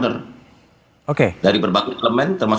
sehingga kita bisa menghidupkan jurnalisme yang berkualitas